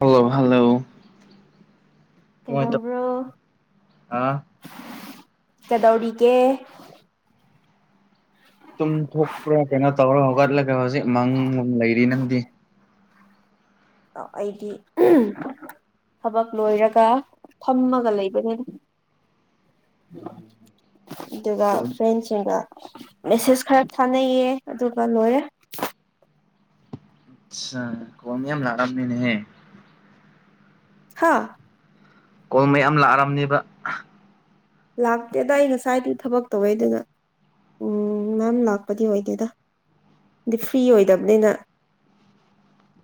hello hello ꯀꯃꯥꯏꯅ ꯀꯩꯗꯧꯕ꯭ꯔꯣ ꯇꯧ ꯀꯩꯗꯧꯔꯤꯒꯦ ꯇꯨꯝꯊꯣꯛꯄ꯭ꯔꯥ ꯀꯩꯅꯣ ꯇꯧꯔ ꯍꯧꯒꯠꯂꯒ ꯍꯧꯖꯤꯛ ꯃꯪ ꯂꯩꯔꯤ ꯅꯪꯗꯤ ꯑ ꯑꯩꯒꯤ ꯎꯝ ꯍꯨꯝ ꯊꯕꯛ ꯂꯣꯏꯔꯒ ꯐꯝꯃꯒ ꯂꯩꯕꯅꯦ ꯑꯗꯨꯒ ꯐ꯭ꯔꯦꯟꯁꯤꯡꯒ ꯃꯦꯁꯦꯁ ꯈꯔ ꯊꯥꯅꯩꯌꯦ ꯑꯗꯨꯒ ꯂꯣꯏꯔꯦ ꯑꯁ ꯁꯥ ꯈꯣꯡ ꯅꯤꯌꯝ ꯅꯔꯝꯃꯦꯅꯦꯍꯦ ꯍꯥꯥ ꯀꯣꯜ ꯃꯌꯥꯝ ꯂꯥꯛꯔꯝꯅꯤꯕ ꯂꯥꯛꯇꯦꯗ ꯑꯩ ꯉꯁꯥꯏꯗꯩ ꯊꯕꯛ ꯇꯧꯋꯦ ꯑꯗꯨꯅ ꯎꯝ ꯃꯥꯝ ꯂꯥꯛꯄꯗꯤ ꯑꯣꯏꯗꯦꯗ ꯗꯤ ꯐ꯭ꯔꯤ ꯑꯣꯏꯗꯝꯅꯤꯅ [inaudible]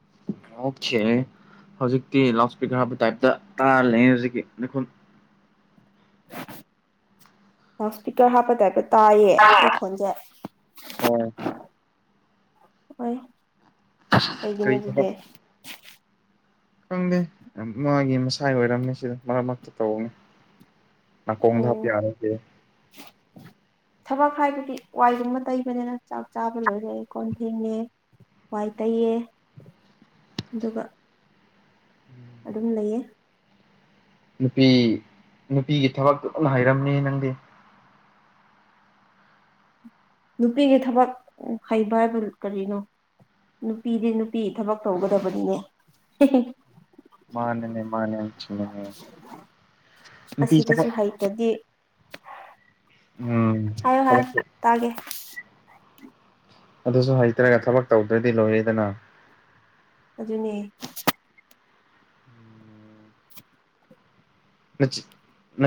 [unintelligible] ꯍꯧꯖꯤꯛꯇꯤ ꯂꯥꯎꯠ ꯁ꯭ꯄꯤꯀꯔ ꯍꯥꯞꯄ ꯇꯥꯏꯞꯇ ꯇꯥꯔ ꯂꯩꯌꯦ ꯍꯧꯖꯤꯛꯀꯤ ꯃꯤꯈꯨꯝ ꯂꯥꯎꯠ ꯁ꯭ꯄꯤꯀꯔ ꯍꯥꯞꯄ ꯇꯥꯏꯞꯇ ꯇꯥꯏꯌꯦ ꯑꯩ ꯈꯣꯟꯖꯦ ꯍꯣꯏ ꯍꯣꯏ ꯀꯩꯒꯤꯅꯣ ꯀꯔꯤ ꯑꯗꯨꯗꯤ ꯊꯕꯛ ꯈꯪꯗꯦ ꯑ ꯃꯥꯒꯤ ꯃꯁꯥꯏ ꯑꯣꯏꯔꯝꯃꯦ ꯁꯤꯗ ꯃꯔꯛ ꯃꯔꯛꯇ ꯇꯧꯅꯤ ꯅꯀꯣꯡꯗ ꯍꯥꯞ ꯎꯝ ꯌꯥꯔꯗꯦ ꯊꯕꯛ ꯍꯥꯏꯕꯗꯤ ꯋꯥꯏꯒꯨꯝꯕ ꯇꯩꯕꯅꯦꯗ ꯆꯥꯛ ꯆꯥꯕ ꯂꯣꯏꯔꯦ ꯀꯣꯟ ꯐꯦꯡꯉꯦ ꯋꯥꯏ ꯇꯩꯌꯦ ꯑꯗꯨꯒ ꯑꯗꯨꯝ ꯂꯩꯌꯦ ꯅꯨꯄꯤ ꯅꯨꯄꯤꯒꯤ ꯊꯕꯛꯇꯣ ꯗꯨꯝ ꯍꯩꯔꯝꯅꯤ ꯅꯪꯗꯤ ꯅꯨꯄꯤꯒꯤ ꯊꯕꯛ ꯍꯩꯕ ꯍꯥꯏꯕ ꯀꯔꯤꯅꯣ ꯅꯨꯄꯤꯗꯤ ꯅꯨꯄꯤ ꯊꯕꯛ ꯇꯧꯒꯗꯕꯅꯤꯅꯦ ꯍꯦꯍꯦ ꯃꯥꯟꯅꯅꯦ ꯃꯥꯅꯦ ꯆꯨꯝꯃꯤꯅꯦ ꯅꯨꯄꯤ ꯆ ꯑꯁꯤꯗꯁꯨ ꯍꯩꯇꯗꯤ [inaudible] ꯍꯥꯏꯌꯣ ꯍꯥꯏꯌꯣ ꯊꯕꯛꯇꯤ ꯇꯥꯒꯦ ꯑꯗꯨꯁꯨ ꯍꯩꯇ꯭ꯔꯦ ꯊꯕꯛ ꯇꯧꯗ꯭ꯔꯗꯤ ꯂꯣꯏꯔꯦꯗꯅ ꯑꯗꯨꯅꯦ ꯉꯆꯤꯠ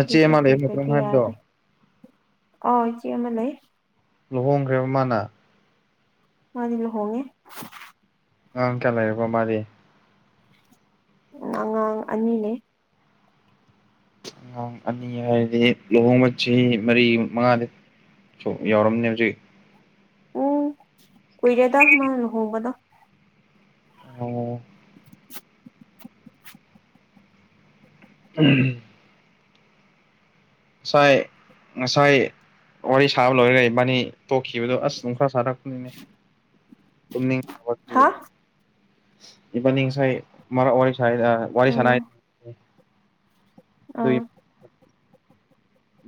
ꯑꯗꯨꯁꯨ ꯍꯩꯇ꯭ꯔꯗꯤ ꯌꯥꯔꯦ ꯑꯧ ꯏꯆꯦ ꯑꯃ ꯂꯩ ꯂꯨꯍꯣꯡꯈ꯭ꯔꯦꯕ ꯃꯥꯅ ꯃꯥꯗꯤ ꯂꯨꯍꯣꯡꯉꯦ ꯑꯉꯥꯡ ꯀ꯭ꯌꯥ ꯂꯩꯔꯕ ꯃꯥꯗꯤ ꯑꯉꯥꯡ ꯑꯅꯤꯅꯦ ꯑꯉꯥꯡ ꯑꯅꯤ ꯍꯥꯏꯔꯗꯤ ꯂꯨꯍꯣꯡꯕ ꯆꯥꯍꯤ ꯃꯔꯤ ꯃꯉꯥꯗꯤ ꯁꯣꯛ ꯌꯥꯎꯔꯝꯅꯤ ꯍꯧꯖꯤꯛ ꯎꯝ ꯀꯨꯏꯔꯦꯗ ꯃꯥꯅ ꯂꯨꯍꯣꯡꯕꯗꯣ ꯑꯣ [unintelligible] ꯉꯁꯥꯏ ꯉꯁꯥꯏ ꯋꯥꯔꯤ ꯁꯥꯕ ꯂꯣꯏꯔꯒ ꯏꯕꯥꯟꯅꯤ ꯇꯣꯛꯈꯤꯕꯗꯣ ꯑꯁ ꯅꯨꯡꯁꯥ ꯁꯥꯔꯛ ꯊꯣꯛꯏꯝꯃꯦ ꯇꯨꯝꯅꯤꯡꯕꯒꯤ ꯍꯥ ꯏꯕꯟꯅꯤ ꯉꯁꯥꯏ ꯃꯔꯛ ꯋꯥꯏ ꯁꯥꯏ ꯑ ꯋꯥꯔꯤ ꯁꯥꯟꯅꯩ ꯑꯗꯨꯒꯤ ꯑ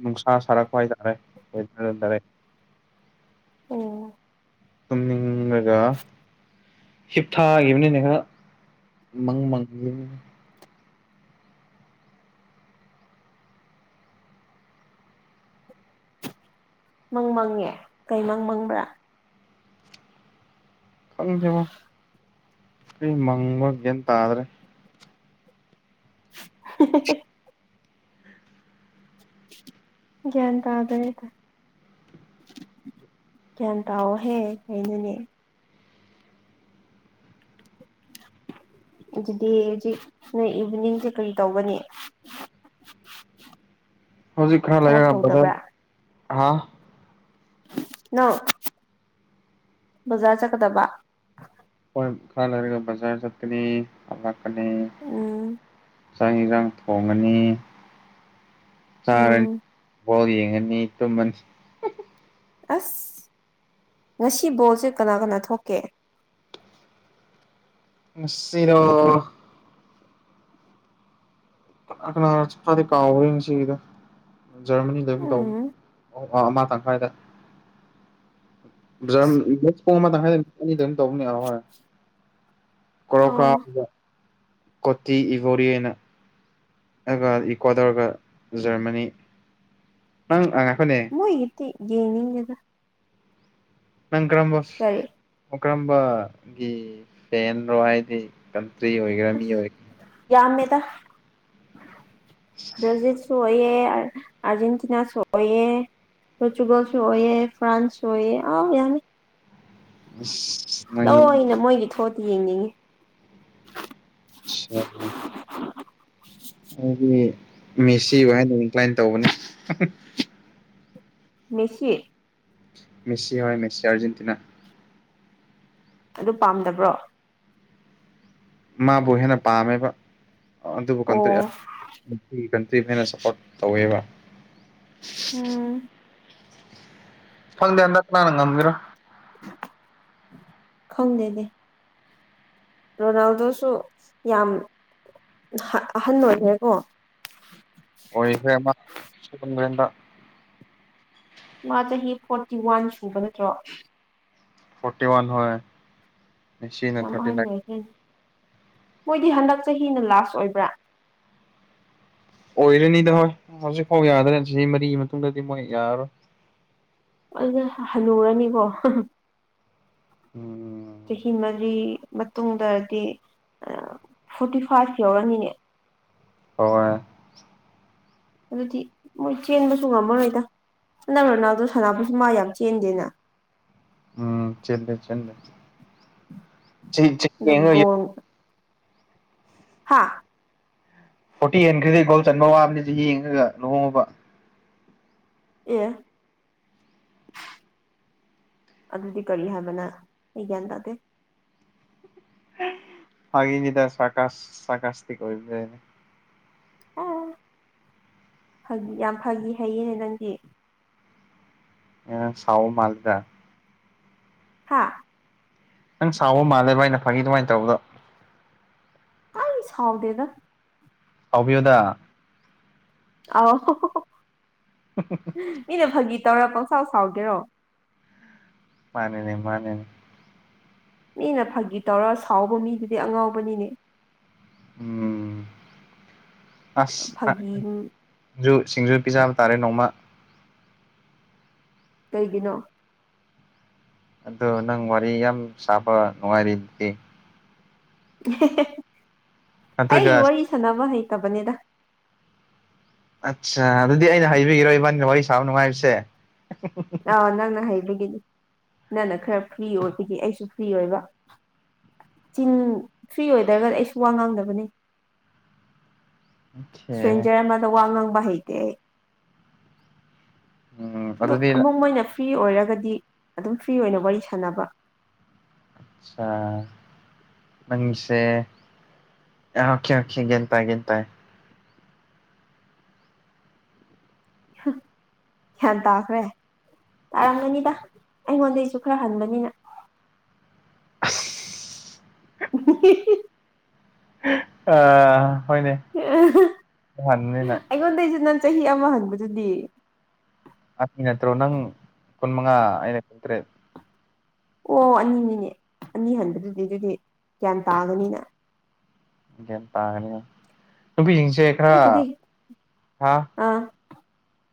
ꯅꯨꯡꯁꯥ ꯁꯥꯔꯛꯄ ꯍꯥꯏꯇꯥꯔꯦ ꯋꯦꯗ꯭ꯔ ꯗꯥꯔꯦ ꯑꯣ ꯇꯨꯝꯅꯤꯡꯉꯒ ꯍꯤꯞꯊꯈꯤꯕꯅꯤꯅꯦ ꯈꯔ ꯃꯪ ꯃꯪ ꯃꯪ ꯃꯪꯉꯦ ꯀꯩ ꯃꯪ ꯃꯪꯕ꯭ꯔꯥ ꯈꯪꯗꯦꯕꯣ ꯊꯔꯤ ꯃꯪꯕ ꯒ꯭ꯌꯥꯟ ꯇꯥꯗ꯭ꯔꯦ [unintelligible] ꯒ꯭ꯌꯥꯟ ꯇꯥꯗ꯭ꯔꯦ ꯒ꯭ꯌꯥꯟ ꯇꯥꯑꯣꯍꯦ ꯀꯩꯅꯣꯅꯦ ꯑꯗꯨꯗꯤ ꯍꯧꯖꯤꯛ ꯅꯣꯏ ꯏꯚꯤꯅꯤꯡꯁꯦ ꯀꯔꯤ ꯇꯧꯒꯅꯤ [inaudible] ꯍꯧꯖꯤꯛ ꯈꯔ ꯊꯕꯛ ꯂꯦꯔꯒ ꯕꯖꯥꯔ ꯇꯧꯗꯕ꯭ꯔꯥ ꯍꯥ ꯅꯪ ꯕꯖꯥꯔ ꯆꯠꯀꯗꯕꯥ ꯈꯔꯒ ꯂꯩꯔꯒ ꯕꯖꯥꯔ ꯆꯠꯀꯅꯤ ꯑꯃꯨꯛ ꯂꯥꯛꯀꯅꯤ ꯎꯝ ꯆꯥꯛ ꯍꯦꯟꯖꯥꯡ ꯊꯣꯡꯉꯅꯤ ꯆꯥꯔꯅꯤ ꯎꯝ ꯕꯣꯜ ꯌꯦꯡꯉꯅꯤ ꯇꯨꯝꯃꯅꯤ ꯑꯁ ꯉꯁꯤ ꯕꯣꯜꯁꯦ ꯀꯅꯥ ꯀꯅꯥ ꯊꯣꯛꯀꯦ ꯉꯁꯤꯔꯣ ꯀꯅꯥ ꯀꯅꯥ ꯈꯔꯗꯤ ꯀꯥꯎꯈ꯭ꯔꯦ ꯉꯁꯤꯒꯤꯗ ꯖꯔꯃꯅꯤꯗ ꯑꯗꯨꯝ ꯇꯧꯅꯤ ꯎꯝ ꯑꯃ ꯇꯪꯈꯥꯏꯗ [inaudible] [unintelligible] ꯑꯣ [unintelligible] ꯑꯗꯨꯒ ꯏꯀ꯭ꯋꯥꯗꯔꯒ ꯖꯔꯃꯅꯤ ꯑꯪ ꯑꯥ ꯃꯣꯏꯒꯤꯗꯤ ꯌꯦꯡꯅꯤꯡꯗꯦꯗ ꯅꯪ ꯀꯔꯝꯕ ꯀꯔꯤ ꯀꯔꯝꯕꯒꯤ ꯐꯦꯟꯔꯣ ꯍꯥꯏꯗꯤ ꯀ [unintelligible] ꯑꯣꯏꯒꯦꯔ ꯃꯤ ꯑꯁ ꯑꯣꯏꯒꯦꯔ ꯌꯥꯝꯃꯦꯗ ꯕ꯭ꯔꯖꯤꯜꯁꯨ ꯑꯣꯏꯌꯦ ꯑꯔꯖꯦꯟꯇꯤꯅꯥꯁꯨ ꯑꯣꯏꯌꯦ ꯄ꯭ꯔꯣꯇꯨꯒꯜꯁꯨ ꯑꯣꯏꯌꯦ ꯐ꯭ꯔꯥꯟꯁꯁꯨ ꯑꯣꯏꯌꯦ ꯑꯥ ꯌꯥꯝꯃꯤ ꯑꯁ ꯅꯪꯒꯤ ꯂꯣꯏꯅ ꯃꯣꯏꯒꯤ ꯊꯣꯛꯑꯗꯤ ꯌꯦꯡꯅꯤꯡꯉꯤ ꯁꯤ ꯑ [unintelligible] ꯑꯩꯗꯤ ꯃꯦꯁꯤꯕꯨ ꯍꯥꯏꯅ ꯏꯟꯀ꯭ꯂꯥꯏꯟ ꯇꯧꯕꯅꯦ ꯃꯦꯁꯤ ꯃꯦꯁꯤ ꯍꯣꯏ ꯃꯦꯁꯤ ꯑꯔꯖꯦꯟꯇꯤꯅꯥ ꯑꯗꯨ ꯄꯥꯝꯗꯕ꯭ꯔꯣ ꯃꯥꯕꯨ ꯍꯦꯟꯅ ꯄꯥꯝꯃꯦꯕ ꯑꯗꯨꯕꯨ ꯀꯟꯇ꯭ꯔꯤ ꯑ ꯑꯣ ꯀꯟꯇ꯭ꯔꯤ ꯍꯦꯟꯅ ꯁꯄꯣꯔꯠ ꯇꯧꯋꯦꯕ ꯎꯝ ꯈꯪꯗꯦ ꯍꯟꯗꯛ ꯀꯅꯥꯅ ꯉꯝꯒꯦꯔ ꯈꯪꯗꯦꯗꯤ ꯔꯣꯅꯥꯜꯗꯣꯁꯨ ꯌꯥꯝ ꯍꯥ ꯑꯍꯟ ꯑꯣꯏꯈ꯭ꯔꯦꯀꯣ ꯑꯣꯏꯈ꯭ꯔꯦ ꯃꯥ [unintelligible] ꯃꯥ ꯆꯍꯤ ꯐꯣꯔꯇꯤ ꯋꯥꯟ ꯁꯨꯕ ꯅꯠꯇ꯭ꯔꯣ ꯐꯣꯔꯇꯤ ꯋꯥꯟ ꯍꯣꯢ ꯃꯦꯁꯤꯅ ꯌꯥꯝ ꯑꯍꯟ ꯊꯔꯇꯤꯅꯥꯏꯟ ꯑꯣꯏꯈ꯭ꯔꯦ ꯃꯣꯏꯗꯤ ꯍꯟꯗꯛ ꯆꯍꯤꯅ ꯂꯥꯁ ꯑꯣꯏꯕ꯭ꯔꯥ ꯑꯣꯏꯔꯅꯤꯗ ꯍꯣꯏ ꯍꯧꯖꯤꯛꯐꯥꯎ ꯌꯥꯗ꯭ꯔꯦ ꯆꯍꯤ ꯃꯔꯤ ꯃꯇꯨꯡꯗꯗꯤ ꯃꯣꯏ ꯌꯥꯔꯔꯣꯏ ꯑꯗꯨ ꯍꯟꯅꯨꯔꯅꯤꯀꯣ ꯍꯍꯥ ꯎꯝ ꯆꯍꯤ ꯃꯔꯤ ꯃꯇꯨꯡꯗꯗꯤ ꯑꯥ ꯐꯣꯔꯇꯤ ꯐꯥꯏꯚ ꯌꯧꯔꯅꯤꯅꯦ ꯍꯣꯢ ꯑꯗꯨꯗꯤ ꯃꯣꯏ ꯆꯦꯟꯕꯁꯨ ꯉꯝꯃꯔꯣꯏꯗ ꯍꯟꯗꯛ ꯔꯣꯅꯥꯜꯗꯣ ꯁꯥꯟꯅꯕꯁꯨ ꯃꯥ ꯌꯥꯝ ꯆꯦꯟꯗꯦꯅ ꯎꯝ ꯆꯦꯟꯗꯦ ꯆꯦꯟꯗꯦ ꯆꯍꯤ ꯆꯍꯤ ꯑꯗꯨ ꯌꯦꯡꯔ ꯍꯥꯥ ꯐꯣꯔꯇꯤ ꯍꯦꯟꯈ꯭ꯔꯗꯤ ꯒꯣꯜ ꯆꯟꯕ ꯋꯥꯕꯅꯦ ꯆꯍꯤ ꯌꯦꯡꯉꯒ ꯂꯨꯍꯣꯡꯉꯣꯕ ꯑꯦ ꯑꯗꯨꯗꯤ ꯀꯔꯤ ꯍꯥꯏꯕ ꯅꯪ ꯑꯩ ꯒ꯭ꯌꯥꯟ ꯇꯥꯗꯦ ꯐꯒꯤꯅꯤꯗ ꯁꯥꯔꯀꯥꯁ ꯁꯥꯔꯀꯥꯁꯇꯤꯛ ꯑꯣꯏꯕ꯭ꯔꯅꯦ ꯑꯥ ꯐꯥꯒꯤ ꯌꯥꯝ ꯐꯥꯒꯤ ꯍꯩꯌꯦꯅꯦ ꯅꯪꯗꯤ ꯑꯥ ꯁꯥꯎꯕ ꯃꯥꯜꯂꯦꯗ ꯍꯥꯥ ꯅꯪ ꯁꯥꯎꯕ ꯃꯥꯜꯂꯦꯕ ꯑꯩꯅ ꯐꯥꯒꯤ ꯑꯗꯨꯃꯥꯏꯅ ꯇꯧꯕꯗꯣ ꯑꯩ ꯁꯥꯎꯗꯦꯗ ꯁꯥꯎꯕꯤꯌꯣꯗ ꯑꯥꯎ ꯍꯍ ꯃꯤꯅ ꯐꯥꯒꯤ ꯇꯧꯔ ꯄꯪꯁꯥꯎ ꯁꯥꯎꯒꯦꯔꯣ ꯃꯥꯅꯤꯅꯦ ꯃꯥꯅꯤꯅꯦ ꯃꯤꯅ ꯐꯥꯒꯤ ꯇꯧꯔ ꯁꯥꯎꯕ ꯃꯤꯗꯨꯗꯤ ꯑꯉꯥꯎꯕꯅꯤꯅꯦ ꯎꯝ ꯑꯁ ꯑꯥ ꯐꯥꯒꯤ ꯖꯨ ꯁꯤꯡꯖꯨ ꯄꯤꯖꯕ ꯇꯥꯔꯦ ꯅꯣꯡꯃ ꯀꯩꯒꯤꯅꯣ ꯑꯗꯣ ꯅꯪ ꯋꯥꯔꯤ ꯌꯥꯝ ꯁꯥꯕ ꯅꯨꯡꯉꯥꯏꯔꯤꯗꯨꯗꯤ ꯍꯦꯍꯦ ꯑꯩ ꯅꯠꯇ꯭ꯔꯒ ꯋꯥꯔꯤ ꯁꯥꯟꯅꯕ ꯍꯩꯇꯕꯅꯦꯗ ꯑꯠꯆꯥ ꯑꯗꯨꯗꯤ ꯑꯩꯅ ꯍꯩꯕꯒꯤꯔꯣ ꯏꯕꯥꯅꯤꯅ ꯋꯥꯔꯤ ꯁꯥꯕ ꯅꯨꯡꯉꯥꯏꯕꯁꯦ ꯑꯥꯎ ꯅꯪꯅ ꯍꯩꯕꯒꯤꯅꯤ ꯅꯪ ꯅ ꯈꯔ ꯐ꯭ꯔꯤ ꯑꯣꯏꯕꯒꯤ ꯑꯩꯁꯨ ꯐ꯭ꯔꯤ ꯑꯣꯏꯕ ꯆꯤꯟ ꯐ꯭ꯔꯤ ꯑꯣꯏꯗ꯭ꯔꯒ ꯑꯩꯁꯨ ꯋꯥ ꯉꯥꯡꯗꯕꯅꯦ ꯑꯣꯀꯦ ꯁ꯭ꯇꯔꯦꯟꯖꯔ ꯑꯃꯗ ꯋꯥ ꯉꯥꯡꯕ ꯍꯩꯇꯦ ꯑꯩ ꯎꯝ ꯑꯗꯨꯗꯤ ꯑꯗꯣ ꯃꯣꯏꯅ ꯐ꯭ꯔꯤ ꯑꯣꯏꯔꯒꯗꯤ ꯑꯗꯨꯝ ꯐ꯭ꯔꯤ ꯑꯣꯏꯅ ꯋꯥꯔꯤ ꯁꯥꯟꯅꯕ ꯑꯆꯥ ꯅꯪꯁꯦ ꯑ ꯑꯣꯈꯦ ꯑꯣꯈꯦ ꯒ꯭ꯌꯥꯟ ꯇꯥꯏ ꯒ꯭ꯌꯥꯟ ꯇꯥꯏ ꯍꯥ ꯒ꯭ꯌꯥꯟ ꯇꯥꯈ꯭ꯔꯦ ꯇꯥꯔꯝꯒꯅꯤꯗ ꯑꯩꯉꯣꯟꯗꯩꯁꯨ ꯈꯔ ꯍꯟꯕꯅꯤꯅ ꯑꯁ ꯎ ꯍꯤꯍꯤ ꯑꯥ ꯑꯥꯍ ꯑꯩꯉꯣꯟꯗꯩꯁꯨ ꯅꯪ ꯆꯍꯤ ꯑꯃ ꯍꯟꯕꯗꯨꯗꯤ ꯑꯩ ꯅꯠꯇ꯭ꯔꯣ ꯅꯪ ꯀꯨꯟ ꯃꯉꯥ ꯑꯩꯅ ꯀꯨꯟ ꯇꯔꯦꯠ ꯑꯣ ꯑꯅꯤꯅꯤꯅꯦ ꯑꯅꯤ ꯍꯟꯕꯗꯨꯗꯤ ꯑꯗꯨꯗꯤ ꯒ꯭ꯌꯥꯟ ꯇꯥꯒꯅꯤꯅ ꯒ꯭ꯌꯥꯟ ꯇꯥꯒꯅꯤ ꯍꯣꯢ ꯅꯨꯄꯤꯁꯤꯡꯁꯦ ꯈꯔ ꯑꯩꯕꯨꯗꯤ ꯊꯥ ꯑꯥ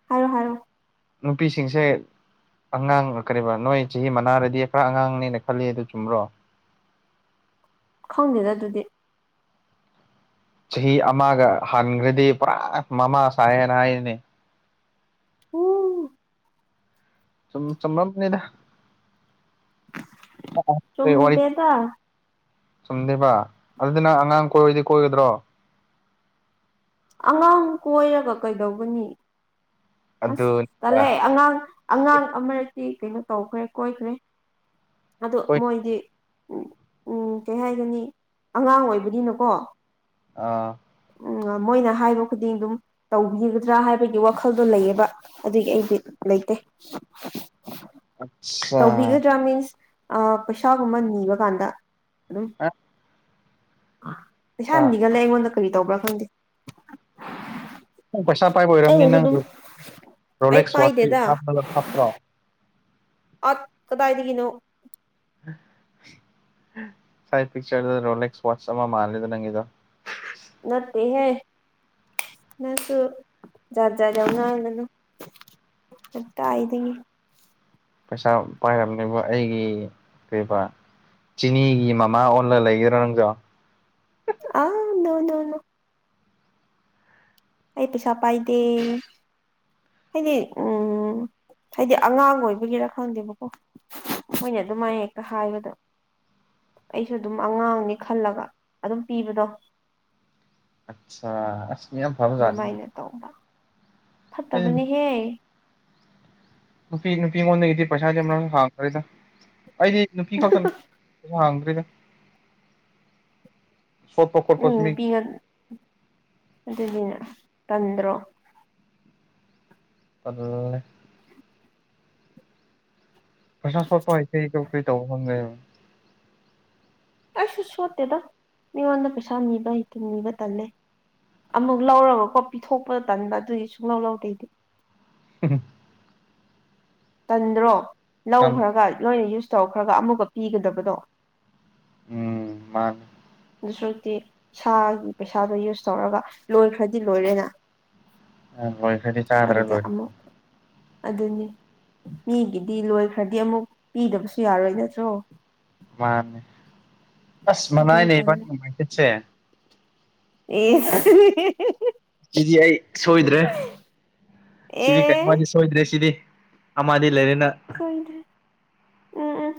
ꯍꯥꯏꯔꯣ ꯍꯥꯏꯔꯣ ꯅꯨꯄꯤꯁꯤꯡꯁꯦ ꯑꯉꯥꯡ ꯀꯔꯤꯕ ꯅꯣꯏ ꯆꯍꯤ ꯃꯅꯥꯔꯗꯤ ꯈꯔ ꯑꯉꯥꯡꯅꯦꯅ ꯈꯜꯂꯤ ꯑꯗꯨ ꯆꯨꯝꯕ꯭ꯔꯣ ꯈꯪꯗꯦꯗ ꯑꯗꯨꯗꯤ ꯆꯍꯤ ꯑꯃꯒ ꯍꯟꯈ꯭ꯔꯗꯤ ꯄꯨꯔꯥ ꯃꯃꯥ ꯁꯥꯏꯌꯦꯅ ꯍꯥꯏꯌꯦꯅꯤ ꯎ ꯁꯨꯝ ꯆꯨꯝꯃꯝꯅꯤꯗ ꯆꯨꯃ ꯋꯥꯔꯤ ꯗꯦꯗ ꯆꯨꯝꯗꯦꯕ ꯑꯗꯨꯗꯤ ꯅꯪ ꯑꯉꯥꯡ ꯀꯣꯏꯌꯣꯗꯤ ꯀꯣꯏꯒꯗ꯭ꯔꯣ ꯑꯉꯥꯡ ꯀꯣꯏꯔꯒ ꯀꯩꯗꯧꯒꯅꯤ ꯑꯁ ꯇꯜꯂꯦ ꯑꯗꯨꯅꯤꯗ ꯑꯉꯥꯡ ꯑꯉꯥꯡ ꯑꯃ ꯁꯤ ꯀꯩꯅꯣ ꯇꯧꯈ꯭ꯔꯦ ꯀꯣꯏꯈ꯭ꯔꯦ ꯑꯗꯣ ꯀꯣꯏ ꯃꯣꯏꯗꯤ ꯎꯝ ꯎꯝ ꯀꯩ ꯍꯥꯏꯒꯅꯤ ꯑꯉꯥꯡ ꯑꯣꯏꯕꯅꯤꯅꯀꯣ ꯑꯥ ꯎꯝ ꯃꯣꯏꯅ ꯍꯥꯏꯕ ꯈꯨꯗꯤꯡ ꯑꯗꯨꯝ ꯇꯧꯕꯤꯒꯗ꯭ꯔꯥ ꯍꯥꯏꯕꯒꯤ ꯋꯥꯈꯜꯗꯣ ꯂꯩꯌꯦꯕ ꯑꯗꯨꯒꯤ ꯑꯩꯗꯤ ꯂꯩꯇꯦ ꯑꯠꯆꯥ ꯇꯧꯕꯤꯒꯗ꯭ꯔꯥ ꯃꯤꯟꯁ ꯄꯩꯁꯥꯒꯨꯝꯕ ꯅꯤꯕ ꯀꯥꯟꯗ ꯑꯗꯨꯝ ꯄꯩꯁꯥ ꯅꯤꯒꯜꯂꯦ ꯑꯩꯉꯣꯟꯗ ꯀꯔꯤ ꯇꯧꯕ꯭ꯔꯥ ꯈꯪꯗꯦ ꯅꯪ ꯄꯩꯁꯥ ꯄꯥꯏꯕ ꯑꯣꯏꯔꯝꯅꯤ ꯑꯩꯅꯁꯨ ꯑꯗꯨꯝ ꯅꯪꯗꯨ ꯑꯩ ꯔꯣꯂꯦꯛꯁ ꯋꯥꯠꯁꯇꯤ ꯄꯥꯏꯗꯦꯗ ꯍꯥꯞꯄ ꯍꯥꯞꯇ꯭ꯔꯣ ꯑꯠ ꯀꯗꯥꯏꯗꯒꯤꯅꯣ [unintelligible] ꯁꯥꯢꯠ ꯄꯤꯛꯆꯔꯗꯣ ꯔꯣꯂꯦꯛꯁ ꯋꯥꯠꯁ ꯑꯃ ꯃꯥꯜꯂꯦꯗ ꯅꯪꯒꯤꯗꯣ ꯅꯠꯇꯦꯍꯦ ꯅꯡꯁꯨ ꯖꯥꯠ ꯖꯥꯠ ꯌꯥꯝ ꯉꯥꯡꯒꯅꯨ ꯀꯗꯥꯏꯗꯒꯤ ꯄꯩꯁꯥ ꯄꯥꯏꯔꯝꯅꯦꯕ ꯑꯩꯒꯤ ꯀꯩꯕ ꯆꯤꯅꯤꯒꯤ ꯃꯃꯥ ꯑꯣꯟꯂ ꯂꯩꯒꯦꯔꯣ ꯅꯪꯖꯨ ꯑꯥ ꯅꯣꯅꯣꯅꯣ ꯑꯩ ꯄꯩꯁꯥ ꯄꯥꯏꯗꯦ ꯍꯥꯏꯅꯦ ꯎꯝ ꯍꯥꯏꯗꯤ ꯑꯉꯥꯡ ꯑꯣꯏꯕꯒꯤꯔ ꯈꯪꯗꯦꯕꯀꯣ ꯃꯣꯏꯅ ꯑꯗꯨꯃꯥꯏ ꯍꯦꯛꯇ ꯍꯥꯏꯕꯗ ꯑꯩꯁꯨ ꯑꯗꯨꯝ ꯑꯉꯥꯡꯅꯤ ꯈꯜꯂꯒ ꯑꯗꯨꯝ ꯄꯤꯕꯗꯣ ꯑꯠꯁꯥ ꯗꯨꯃꯥꯏꯅ ꯇꯧꯕ ꯑꯩ ꯐꯠꯇꯕꯅꯤꯍꯦ ꯅꯨꯄꯤ ꯅꯨꯄꯤ ꯑꯉꯣꯟꯗꯩꯗꯤ ꯄꯩꯁꯥꯗꯤ ꯑꯃꯔ ꯍꯥꯡꯈ꯭ꯔꯦꯗ ꯑꯩꯗꯤ ꯅꯨꯄꯤ ꯈꯛꯇꯪ ꯃꯨ ꯍꯥꯡꯈ꯭ꯔꯦꯗ ꯎꯝ ꯅꯨꯄꯤ ꯉꯟ ꯑꯗꯨꯅꯦ ꯇꯟꯗ꯭ꯔꯣ ꯇꯜꯂꯦ ꯄꯩꯁꯥ ꯁꯣꯠꯄ ꯍꯩꯇꯦ ꯗꯨ ꯀꯩꯇꯧꯕ ꯐꯪꯉꯦ ꯑꯩꯁꯨ ꯁꯣꯠꯇꯦꯗ ꯃꯤꯉꯣꯟꯗ ꯄꯩꯁꯥ ꯅꯤꯕ ꯍꯩꯇꯦ ꯅꯤꯕ ꯇꯜꯂꯦ ꯑꯃꯨꯛ ꯂꯧꯔꯒꯀꯣ ꯄꯤꯊꯣꯛꯄ ꯇꯟꯕ ꯑꯗꯨꯒꯤ ꯁꯨꯛꯂꯧ ꯂꯧꯗꯦ ꯑꯩꯗꯤ [unintelligible] ꯇꯟꯗ꯭ꯔꯣ ꯆꯝꯅ ꯂꯧꯈ꯭ꯔꯒ ꯂꯣꯏꯅ ꯌꯨꯁ ꯇꯧꯈ꯭ꯔꯒ ꯑꯃꯨꯛꯀ ꯄꯤꯒꯗꯕꯗꯣ ꯎꯡ ꯃꯥꯅꯦ ꯗꯨ ꯁꯔꯨꯛꯇꯤ ꯏꯁꯥꯒꯤ ꯄꯩꯁꯥꯗꯣ ꯌꯨꯁ ꯇꯧꯔꯒ ꯂꯣꯏꯈ꯭ꯔꯗꯤ ꯂꯣꯏꯔꯦꯅ ꯑ ꯂꯣꯏꯈ꯭ꯔꯗꯤ ꯆꯥꯗ꯭ꯔ ꯑꯗꯨꯗ ꯂꯣꯏ ꯑꯃꯨꯛ ꯑꯗꯨꯅꯤ ꯃꯤꯒꯤꯗꯤ ꯂꯣꯏꯈ꯭ꯔꯗꯤ ꯑꯃꯨꯛ ꯄꯤꯗꯕꯁꯨ ꯌꯥꯔꯣꯏ ꯅꯠꯇ꯭ꯔꯣ ꯃꯥꯅꯦ ꯑꯁ ꯑꯗꯨꯅ ꯃꯅꯅꯦꯕꯥꯏ [unintelligible] ꯑꯦꯁ [unintelligible] ꯁꯤꯗꯤ ꯑꯩ ꯁꯣꯏꯗ꯭ꯔꯦ ꯁꯤꯗꯤ ꯑꯦ ꯀꯩꯅꯣꯗꯤ ꯁꯣꯏꯗ꯭ꯔꯦ ꯁꯤꯗꯤ ꯑꯃꯗꯤ ꯂꯩꯔꯦꯅ ꯁꯣꯏꯗ꯭ꯔꯦ ꯎꯝ ꯎꯝ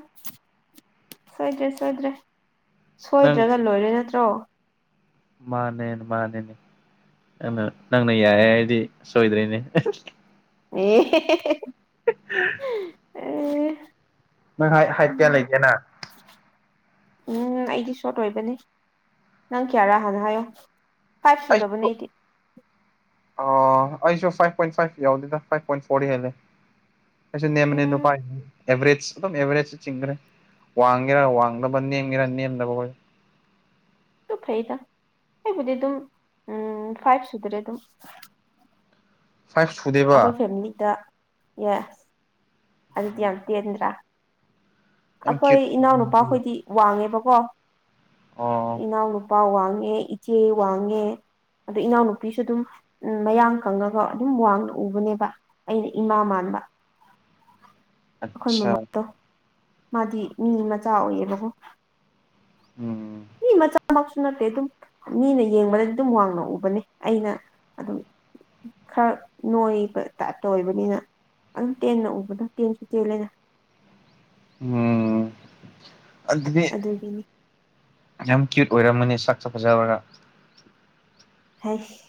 ꯁꯣꯏꯗ꯭ꯔꯦ ꯁꯣꯏꯗ꯭ꯔꯦ ꯁꯣꯏꯗ꯭ꯔꯒ ꯂꯣꯏꯔꯦ ꯅꯠꯇ꯭ꯔꯣ ꯃꯥꯟꯅꯦꯟ ꯃꯥꯟꯂꯦꯅꯦ ꯑꯗꯣ ꯅꯪꯅ ꯌꯥꯏ ꯍꯥꯏꯔꯗꯤ ꯁꯣꯏꯗ꯭ꯔꯦꯅꯦ [unintelligible] [unintelligible] ꯑꯦ ꯅꯪꯅ ꯍꯥꯏ ꯍꯥꯏꯠ ꯀ꯭ꯌꯥ ꯎꯝ ꯂꯩꯒꯦꯅ ꯎꯝ ꯑꯩꯗꯤ ꯁꯣꯔꯠ ꯑꯣꯏꯕꯅꯦ ꯅꯪ ꯀ꯭ꯌꯥꯔꯥ ꯍꯥꯟꯅ ꯍꯥꯏꯌꯣ ꯐꯥꯏꯚ ꯁꯨꯗꯕꯅꯦ ꯑꯩꯁꯨ ꯑꯩꯗꯤ ꯑꯣ ꯑꯩꯁꯨ ꯐꯥꯏꯚ ꯄꯣꯏꯟ ꯐꯥꯏꯚ ꯌꯧꯗꯦꯗ ꯐꯥꯏꯚ ꯄꯣꯏꯟ ꯐꯣꯔꯗꯤ ꯍꯦꯜꯂꯦ [unintelligible] ꯎꯝ ꯑꯦꯚꯔꯦꯖ ꯑꯗꯨꯝ ꯑꯦꯚꯔꯦꯖꯗ ꯆꯤꯡꯈ꯭ꯔꯦ ꯋꯥꯡꯒꯦꯔꯥ ꯋꯥꯡꯗꯕ ꯅꯦꯝꯒꯦꯔꯥ ꯅꯦꯝꯗꯕ [inaudible] ꯑꯗꯨ ꯐꯩꯌꯦꯗ ꯑꯩꯕꯨꯗꯤ ꯑꯗꯨꯝ ꯎꯝ ꯐꯥꯏꯚ ꯁꯨꯗ꯭ꯔꯦ ꯑꯗꯨꯝ [inaudible] ꯐꯥꯏꯚ ꯁꯨꯗꯦꯕ ꯑꯩꯈꯣꯏ ꯐꯦꯃꯤꯂꯤꯗ ꯌꯦ ꯑꯗꯨꯗꯤ ꯌꯥꯝ ꯇꯦꯟꯗ꯭ꯔꯥ ꯌꯥꯝ ꯑꯩꯈꯣꯏ ꯀ꯭ꯌꯨꯠ ꯏꯅꯥꯎꯅꯨꯄꯥꯈꯣꯏꯗꯤ ꯋꯥꯡꯉꯦꯕꯀꯣ ꯑꯣ ꯏꯅꯥꯎꯅ ꯃꯥ ꯋꯥꯡꯉꯦ ꯏꯆꯦ ꯋꯥꯡꯉꯦ ꯑꯗꯩ ꯏꯅꯥꯎꯅꯨꯄꯤꯁꯨ ꯑꯗꯨꯝ ꯎꯝ ꯃꯌꯥꯡ ꯀꯪꯉꯒ ꯑꯗꯨꯝ ꯋꯥꯡꯅ ꯎꯕꯅꯦꯕ ꯑꯩꯅ ꯏꯃꯥ ꯃꯥꯟ ꯕꯥ ꯑꯠꯁꯥ ꯃꯥꯗꯤ ꯃꯤ ꯃꯆꯥ ꯑꯣꯏꯌꯦꯕꯀꯣ ꯎꯝ ꯃꯤ ꯃꯆꯥ ꯃꯛꯁꯨ ꯅꯠꯇꯦ ꯑꯗꯨꯝ ꯃꯤꯅ ꯌꯦꯡꯕꯗꯗꯤ ꯑꯗꯨꯝ ꯋꯥꯡꯅ ꯎꯕꯅꯦ ꯑꯩꯅ ꯑꯗꯨꯝ ꯈꯔ ꯅꯣꯏꯕ ꯇꯣꯏꯞꯇ ꯑꯣꯏꯕꯅꯤꯅ ꯑꯗꯨ ꯇꯦꯟꯅ ꯎꯕꯗꯣ ꯇꯦꯟꯁꯨ ꯇꯦꯜꯂꯦꯅ ꯎꯝ ꯑꯗꯨꯗꯤ ꯑꯗꯨꯒꯤꯅꯤ ꯌꯥꯝ ꯀ꯭ꯌꯨꯠ ꯑꯣꯏꯔꯝꯒꯅꯤ ꯁꯛꯁꯨ ꯐꯖꯕ꯭ꯔ ꯍꯩꯁ